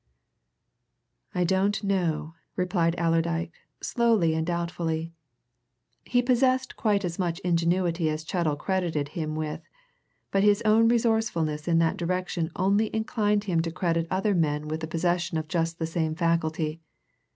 "I don't know," replied Allerdyke, slowly and doubtfully. He possessed quite as much ingenuity as Chettle credited him with, but his own resourcefulness in that direction only inclined him to credit other men with the possession of just the same faculty.